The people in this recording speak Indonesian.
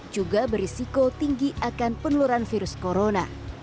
juga berisiko tinggi akan peneluran virus corona